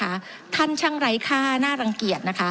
กราบเรียนท่านมธรรมสภาที่เคารพสมาชิกผู้ทรงเกียรตินะครับ